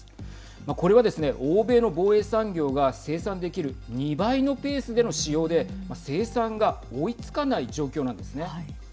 これはですね欧米の防衛産業が生産できる２倍のペースでの使用で生産が追いつかない状況なんですね。